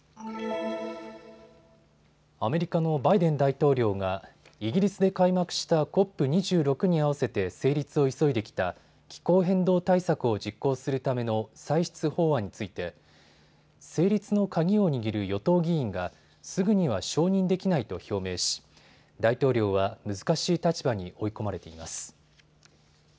アメリカのバイデン大統領がイギリスで開幕したＣＯＰ２６に合わせて成立を急いできた気候変動対策を実行するための歳出法案について成立の鍵を握る与党議員がすぐには承認できないと表明し、大統領は難しい立場に追い込まれています。